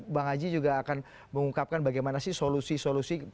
bang haji juga akan mengungkapkan bagaimana sih solusi solusi